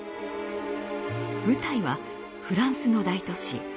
舞台はフランスの大都市